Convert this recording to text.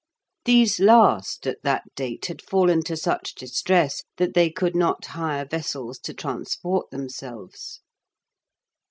These last at that date had fallen to such distress that they could not hire vessels to transport themselves.